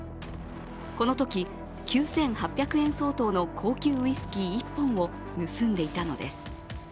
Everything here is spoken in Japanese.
このとき９８００円相当の高級ウイスキー１本を盗んでいたのです。